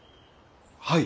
はい！